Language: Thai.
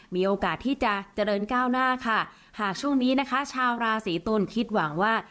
มีโอกาสที่จะเจริญก้าวหน้าค่ะหากช่วงนี้นะคะชาวราศีตุลคิดหวังว่า